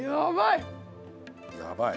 やばい！